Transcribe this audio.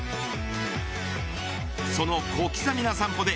その小刻みな３歩で